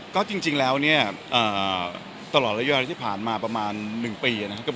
ก็จริงแล้วเนี่ยตลอดระยะที่ผ่านมาประมาณ๑ปีนะครับ